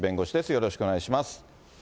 よろしくお願いします。